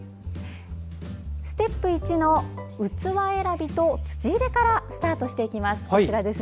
ステップ１の器選びと土入れからスタートしていきます。